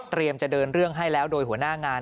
จะเดินเรื่องให้แล้วโดยหัวหน้างาน